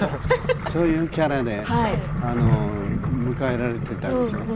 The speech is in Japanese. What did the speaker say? そういうキャラで迎えられていたでしょう。